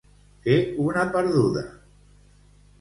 Fer una perduda.